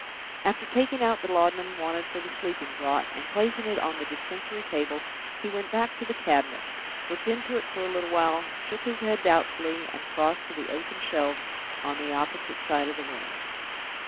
After taking out the laudanum wanted for the sleeping draught, and placing it on the dispensary table, he went back to the cabinet, looked into it for a little while, shook his head doubtfully, and crossed to the open shelves on the opposite side of the room.